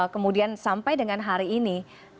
kemudian sampai dengan hari ini